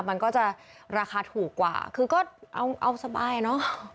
มันก็จะราคาถูกกว่าคือก็เอาสบายอ่ะเนอะ